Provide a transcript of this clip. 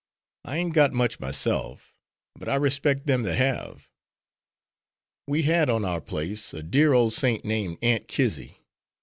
I ain't got much myself, but I respect them that have. We had on our place a dear, old saint, named Aunt Kizzy.